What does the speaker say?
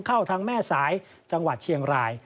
เข้าทางแม่สายจังหวัดเชียงราย